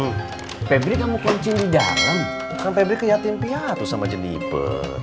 kom febri kamu kuncin di dalam kan febri ke yatin piatu sama jenipe